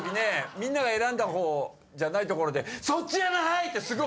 みんなが選んだ方じゃないところで「そっちやない！」ってすごい。